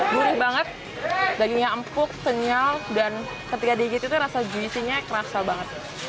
gurih banget dagingnya empuk kenyal dan ketika digit itu rasa juicinya kerasa banget